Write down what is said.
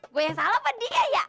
gua yang salah apa dia ya